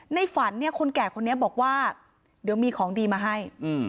ในฝันเนี่ยคนแก่คนนี้บอกว่าเดี๋ยวมีของดีมาให้